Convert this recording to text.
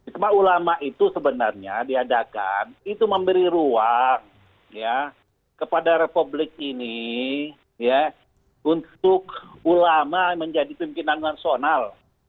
cuma ulama itu sebenarnya diadakan itu memberi ruang kepada republik ini untuk ulama menjadi pimpinan nasional